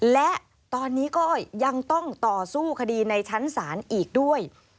และตอนนี้ก็ยังต้องต่อสู้คดีในชั้นศาลอีกด้วย